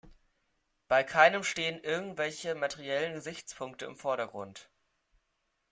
Bei keinem stehen irgendwelche materiellen Gesichtspunkte im Vordergrund“".